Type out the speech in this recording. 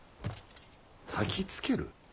たきつける？